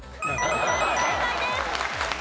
正解です。